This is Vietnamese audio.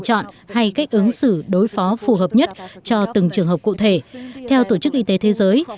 chọn hay cách ứng xử đối phó phù hợp nhất cho từng trường hợp cụ thể theo tổ chức y tế thế giới